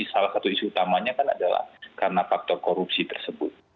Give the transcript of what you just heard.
salah satu isu utamanya kan adalah karena faktor korupsi tersebut